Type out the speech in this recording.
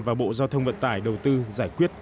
và bộ giao thông vận tải đầu tư giải quyết cằn cờ